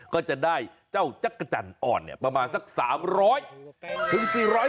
ก็จะได้เจ้าจักรจันอ่อนเนี่ยประมาณสัก๓๐๐๔๐๐ตัวนะ